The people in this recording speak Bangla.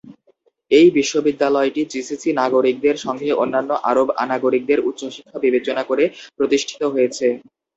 এই বিশ্ববিদ্যালয়টি জিসিসি নাগরিকদের সঙ্গে অন্যান্য আরব নাগরিকদের উচ্চ শিক্ষা বিবেচনা করে প্রতিষ্ঠিত হয়েছে।